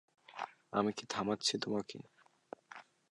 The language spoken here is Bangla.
আমি কি থামাচ্ছি তোমাকে?